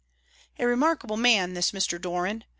A remarkable man, this Mr. Doran.